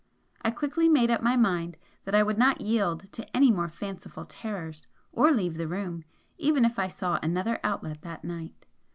I quickly made up my mind that I would not yield to any more fanciful terrors, or leave the room, even if I saw another outlet that night.